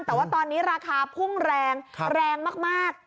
แต่ว่าตอนนี้ราคาพุ่งแรงแรงมาก